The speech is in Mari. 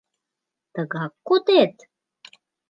Тыгак кодет?